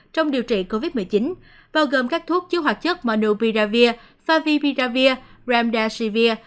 trong điều trị covid một mươi chín bao gồm các thuốc chứa hoạt chất monopiravir favipiravir remdesivir